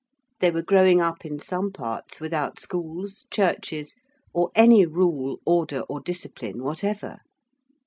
They were growing up in some parts without schools, churches, or any rule, order, or discipline whatever.